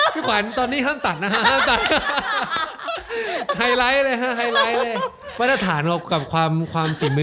พี่ขวัญตอนนี้ห้ามตัดนะฮะห้ามตัด